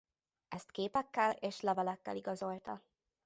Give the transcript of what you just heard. Ezt képekkel és levelekkel igazolta.